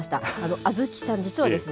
亜豆紀さん、実はですね、